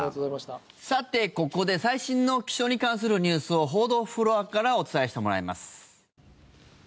さて、ここで最新の気象に関するニュースを報道フロアからお伝えしてもらいます。